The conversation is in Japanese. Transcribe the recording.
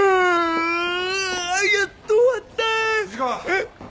えっ？